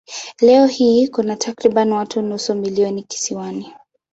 Leo hii kuna takriban watu nusu milioni kisiwani.